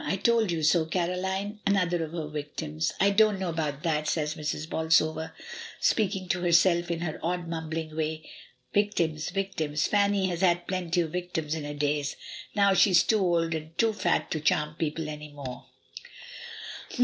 I told you so, Caroline; another of her victims." "I don't know about that," says Mrs. Bolsover, speaking to herself, in her odd mumbling way. "Victims, victims; Fanny has had plenty of victims in her days, now she is too old and too fat to charm people any more." AFTERWARDS. 45 "H'm, h'm!